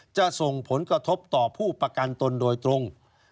จะส่งผลกระทบต่อผู้ประกันตนโดยตรง